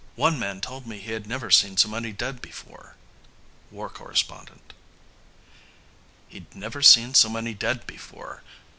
One man told me he had never seen so many dead before." War Correspondent. _"He'd never seen so many dead before."